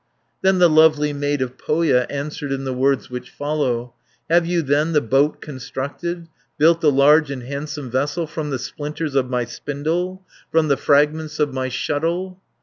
Then the lovely maid of Pohja, Answered in the words which follow: "Have you then the boat constructed, Built the large and handsome vessel, 680 From the splinters of my spindle, From the fragments of my shuttle?"